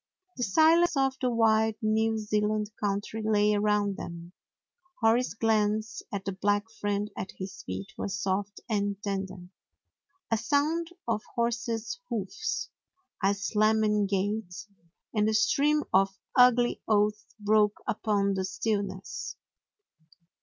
The silence of the wide New Zealand country lay around them. Hori's glance at the black friend at his feet was soft and tender. A sound of horse's hoofs, a slamming gate, and a stream of ugly oaths broke upon the stillness.